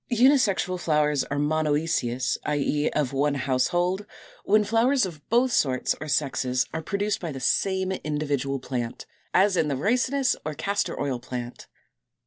Unisexual flowers are Monœcious (or Monoicous, i. e. of one household), when flowers of both sorts or sexes are produced by the same individual plant, as in the Ricinus or Castor oil Plant, Fig.